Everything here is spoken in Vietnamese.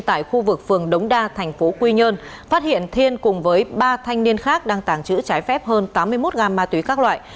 tại khu vực phường đống đa thành phố quy nhơn phát hiện thiên cùng với ba thanh niên khác đang tàng trữ trái phép hơn tám mươi một gam ma túy các loại